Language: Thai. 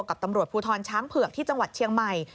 กับตำรวจภูทรช้างเผือกที่จังหวัดเชียงใหม่